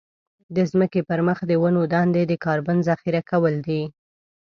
د ځمکې پر مخ د ونو دندې د کاربن ذخيره کول دي.